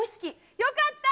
よかった。